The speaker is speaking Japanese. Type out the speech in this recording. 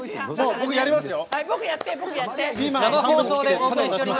僕、やりますよ！